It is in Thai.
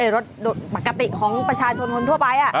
รถปกติของประชาชนคนทั่วไป